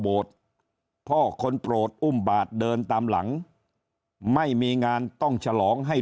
พ่อคนโปรดอุ้มบาทเดินตามหลังไม่มีงานต้องฉลองให้